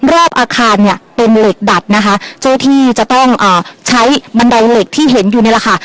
รอบอาคารเนี่ยเป็นเหล็กดัดนะคะเจ้าที่จะต้องอ่าใช้บันไดเหล็กที่เห็นอยู่นี่แหละค่ะ